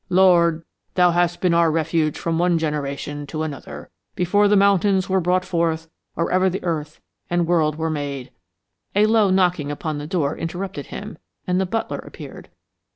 "'Lord, Thou hast been our refuge from one generation to another; before the mountains were brought forth or ever the earth and world were made '" A low knocking upon the door interrupted him, and the butler appeared.